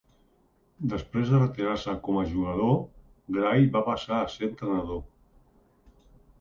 Després de retirar-se com a jugador, Gray va passar a ser entrenador.